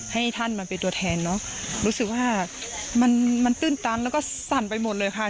ให้ท่านมาเป็นตัวแทนเนอะรู้สึกว่ามันมันตื้นตันแล้วก็สั่นไปหมดเลยค่ะ